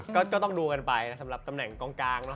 ก็ต้องดูกันไปนะสำหรับตำแหน่งกลางเนอะ